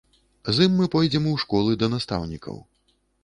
З ім мы пойдзем у школы, да настаўнікаў.